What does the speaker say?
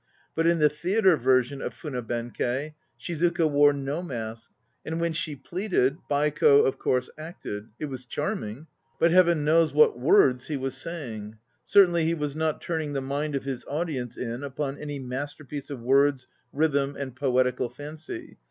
But in the theatre version of Funa Benkci, Shizuka wore no mask, and when she pleaded, Baiko, of course, acted; it was charming; but Heaven knows what words he was saying certainly he was not turning the mind of his audience in upon any masterpiece of words, rhythm and poetical fancy.